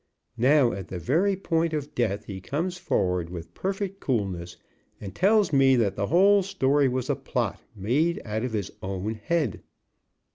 Now, at the very point of death, he comes forward with perfect coolness, and tells me that the whole story was a plot made out of his own head."